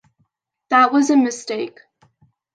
That was a mistake.